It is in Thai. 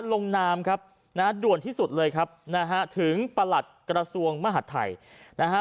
ลงนามครับนะฮะด่วนที่สุดเลยครับนะฮะถึงประหลัดกระทรวงมหาดไทยนะฮะ